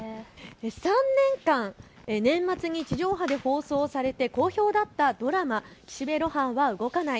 ３年間、年末に地上波で放送されて好評だったドラマ、岸辺露伴は動かない。